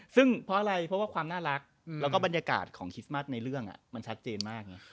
ซึ่งเพราะอะไรเพราะว่าความน่ารักแล้วก็บรรยากาศของคริสต์มัสในเรื่องมันชัดเจนมาก